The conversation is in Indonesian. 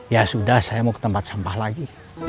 ya sudah saya mau ke tempat sampah lagi